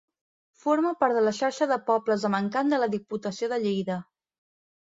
Forma part de la Xarxa de Pobles amb Encant de la Diputació de Lleida.